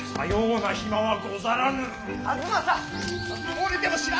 漏れても知らぬぞ！